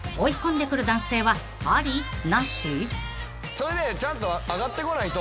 それでちゃんと上がってこないと。